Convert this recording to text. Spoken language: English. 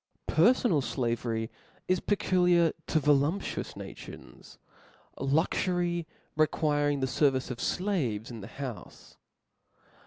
Per fonal flavery is peculiar to voluptuous nations \ luxury requiring the fervice of flaves in the houfc.